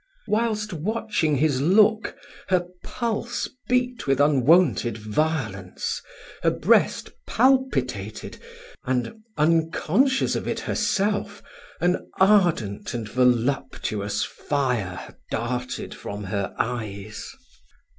Whilst watching his look, her pulse beat with unwonted violence, her breast palpitated, and, unconscious of it herself, an ardent and voluptuous fire darted from her eyes.